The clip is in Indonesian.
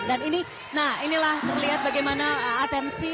dan inilah terlihat bagaimana atensi